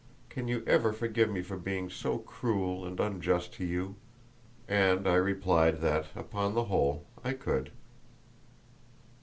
Can you ever forgive me for being so cruel and unjust to you?" And I replied that, upon the whole, I could.